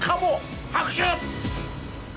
拍手！